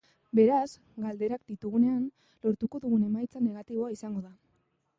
Beraz, galerak ditugunean, lortuko dugun emaitza negatiboa izango da.